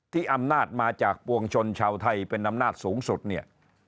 อำนาจมาจากปวงชนชาวไทยเป็นอำนาจสูงสุดเนี่ย